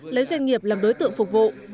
lấy doanh nghiệp làm đối tượng phục vụ